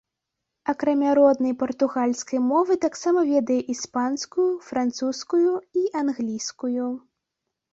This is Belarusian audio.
Акрамя роднай партугальскай мовы таксама ведае іспанскую, французскую і англійскую.